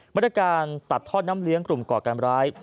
มาตรการตัดท่อน้ำเลี้ยงกลุ่มก่อการร้าย